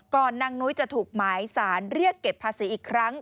นางนุ้ยจะถูกหมายสารเรียกเก็บภาษีอีกครั้ง